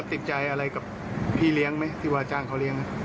แล้วติดใจอะไรกับพี่เลี้ยงไหมที่วาจารย์เขาเลี้ยงนะ